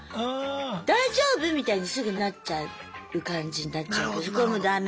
「大丈夫？」みたいにすぐなっちゃう感じになっちゃうけどこれもダメ？